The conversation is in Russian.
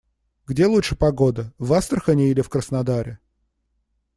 Где лучше погода - в Астрахани или в Краснодаре?